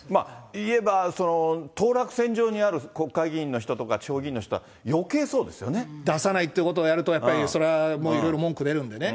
言えば、当落線上にある国会議員の人とか地方議員の人は、出さないっていうことをやると、やっぱりそれはもういろいろ文句出るんでね。